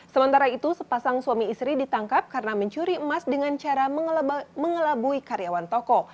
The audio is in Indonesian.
sementara itu sepasang suami istri ditangkap karena mencuri emas dengan cara mengelabui karyawan toko